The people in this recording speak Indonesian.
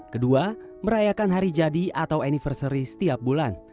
kedua merayakan hari jadi atau anniversary setiap bulan